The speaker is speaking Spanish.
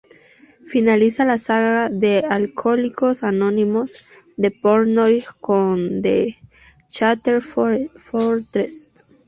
Finaliza la saga de Alcohólicos Anónimos de Portnoy con The Shattered Fortress.